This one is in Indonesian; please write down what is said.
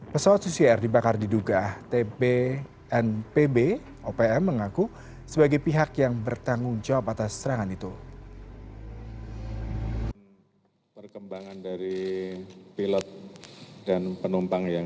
pesawat susi air dibakar diduga tpnpb opm mengaku sebagai pihak yang bertanggung jawab atas serangan itu